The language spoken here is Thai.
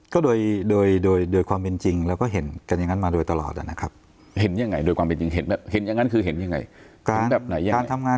ก็โดยความเป็นจริงก็เห็นกันอย่างนั้นด้วยตลอดนะครับ